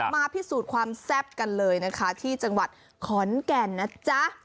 มาพิสูจน์ความแซ่บกันเลยนะคะที่จังหวัดขอนแก่นนะจ๊ะ